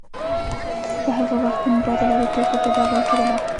په هغه وخت کې مبادله د توکو په ډول کېدله